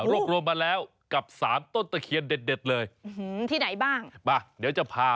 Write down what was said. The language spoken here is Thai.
รวบรวมมาแล้วกับ๓ต้นตะเขียนเด็ดเลย